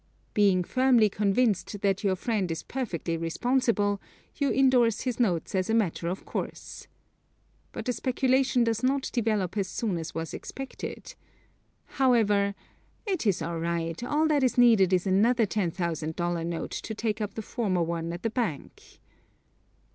Being firmly convinced that your friend is perfectly responsible, you endorse his notes as a matter of course. But the speculation does not develop as soon as was expected. However, "it is all right; all that is needed is another $10,000 note to take up the former one at the bank."